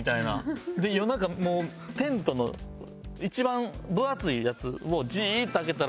夜中テントの一番分厚いやつをジーッて開けたら